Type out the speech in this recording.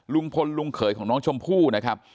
ลุงพลลุงเขยของน้องชมพู่นะครับ